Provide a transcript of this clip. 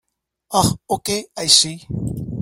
Oh okay, I see.